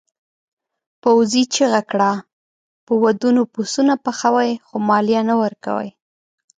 پوځي چیغه کړه په ودونو پسونه پخوئ خو مالیه نه ورکوئ.